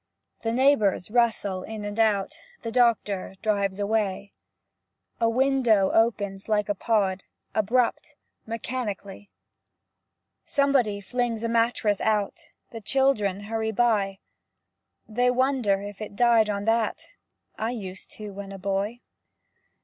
The neighbors rustle in and out, The doctor drives away. A window opens like a pod, Abrupt, mechanically; Somebody flings a mattress out, The children hurry by; They wonder if It died on that, I used to when a boy.